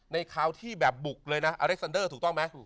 คราวที่แบบบุกเลยนะอเล็กซันเดอร์ถูกต้องไหม